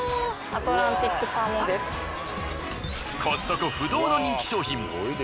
コストコ不動の人気商品！